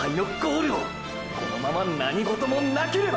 このまま何事もなければ！！